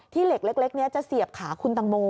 เหล็กเล็กนี้จะเสียบขาคุณตังโม